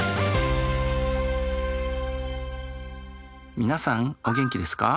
皆さんお元気ですか？